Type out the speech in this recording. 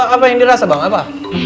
apa yang dirasa bang apa